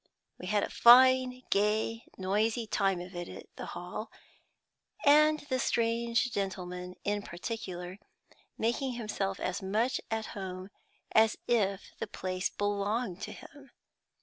We had a fine, gay, noisy time of it at the Hall, the strange gentleman, in particular, making himself as much at home as if the place belonged to him.